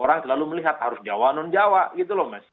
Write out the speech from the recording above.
orang selalu melihat harus jawa non jawa gitu loh mas